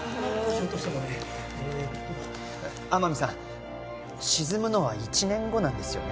もう天海さん沈むのは１年後なんですよね？